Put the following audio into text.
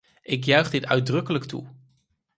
Ik juich dit uitdrukkelijk toe.